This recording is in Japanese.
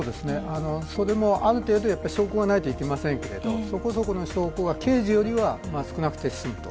それもある程度、証拠がないといけませんけどそこそこの証拠は刑事よりは少なくて済むと。